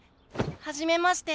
はじめまして。